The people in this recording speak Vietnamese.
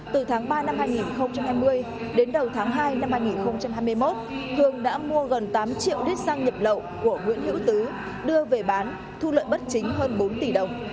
từ tháng ba năm hai nghìn hai mươi đến đầu tháng hai năm hai nghìn hai mươi một cường đã mua gần tám triệu lít xăng nhập lậu của nguyễn hữu tứ đưa về bán thu lợi bất chính hơn bốn tỷ đồng